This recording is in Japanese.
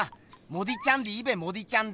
モディちゃんでいいべモディちゃんで。